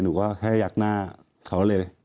หนูก็แค่ยักหน้าเขาเลย